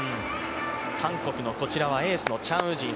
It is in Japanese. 韓国のこちらはエースのチャン・ウジン。